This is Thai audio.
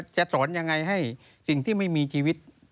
จะสอนยังไงให้สิ่งที่ไม่มีชีวิต